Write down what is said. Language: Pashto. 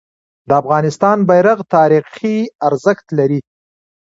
د افغانستان بیرغ تاریخي ارزښت لري.